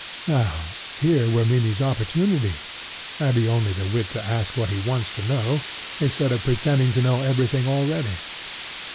Now here were Mimmy's opportunity, had he only the wit to ask what he wants to know, instead of pretending to know everything already.